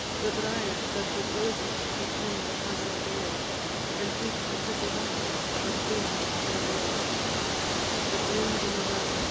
The briers that with roses perfume the passing gale, And meet the pretty hawthorn that blooms in the vale" That blooms in the valley, &c.